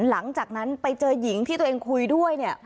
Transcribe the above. หลังจากนั้นไปเจอหญิงที่ตัวเองคุยด้วยเนี่ย